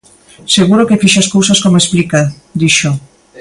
"Seguro que fixo as cousas como explica", dixo.